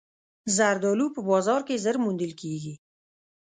زردالو په بازار کې ژر موندل کېږي.